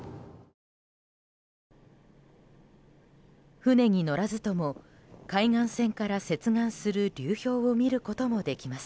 船に乗らずとも海岸線から接岸する流氷を見ることもできます。